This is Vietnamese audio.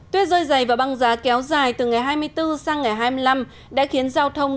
tuyết rơi dày và băng giá kéo dài từ ngày hai mươi bốn sang ngày hai mươi năm đã khiến giao thông